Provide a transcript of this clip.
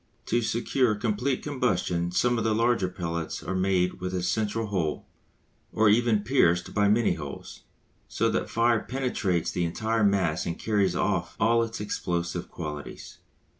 To secure complete combustion some of the larger pellets are made with a central hole, or even pierced by many holes, so that the fire penetrates the entire mass and carries off all its explosive qualities.